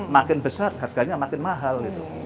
makin besar harganya makin mahal gitu